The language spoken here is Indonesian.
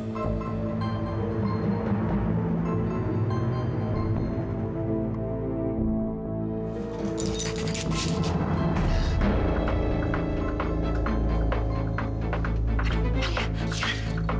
aduh alia jangan